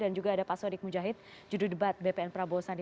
dan juga ada pak sudik mujahid judul debat bpn prabowo sandi